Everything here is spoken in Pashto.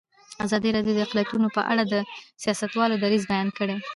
ازادي راډیو د اقلیتونه په اړه د سیاستوالو دریځ بیان کړی.